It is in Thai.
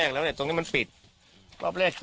ทีมข่าวเราก็พยายามสอบปากคำในแหบนะครับ